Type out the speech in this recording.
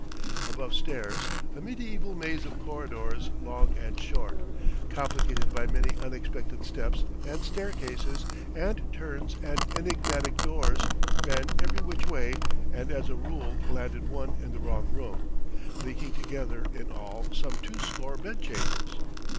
Above stairs, a mediaeval maze of corridors long and short, complicated by many unexpected steps and staircases and turns and enigmatic doors, ran every which way and as a rule landed one in the wrong room, linking together, in all, some two score bed chambers.